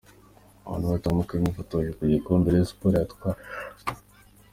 Abantu batandukanye bifotoje ku gikombe Rayon Sports yatwaye.